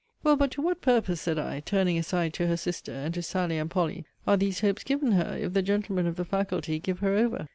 Well, but to what purpose, said I (turning aside to her sister, and to Sally and Polly), are these hopes given her, if the gentlemen of the faculty give her over?